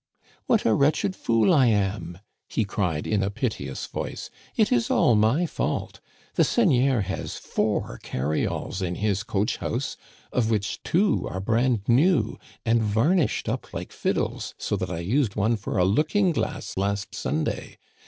" What a wretched fool I am !" he cried in a piteous voice. It is all my fault. The seigneur has four carry alls in his coach house, of which two are brand new and varnished up like fiddles, so that I used one for a look ing glass last Sunday.